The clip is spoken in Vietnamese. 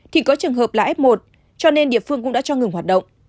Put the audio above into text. thì có trường hợp là f một cho nên địa phương cũng đã cho ngừng hoạt động